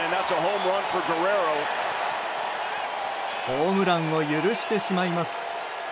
ホームランを許してしまいます。